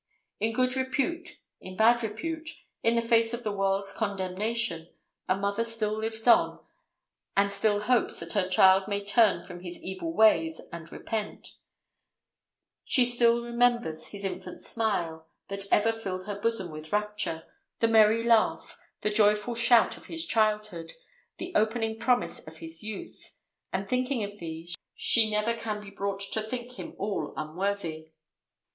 In good repute, in bad repute, in the face of the world's condemnation, a mother still lives on and still hopes that her child may turn from his evil ways and repent; still she remembers his infant smile that ever filled her bosom with rapture, the merry laugh, the joyful shout of his childhood, the opening promise of his youth; and thinking of these, she never can be brought to think him all unworthy.